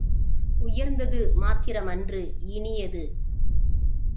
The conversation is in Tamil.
உயர்ந்தது மாத்திரம் அன்று இனியது.